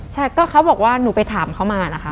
ใช่ก็เขาบอกว่าหนูไปถามเขามานะคะ